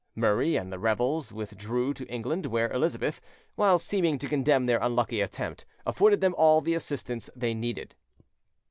Murray and the rebels withdrew into England, where Elizabeth, while seeming to condemn their unlucky attempt, afforded them all the assistance they needed.